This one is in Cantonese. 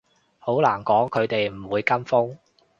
好難講，佢哋唔會跟風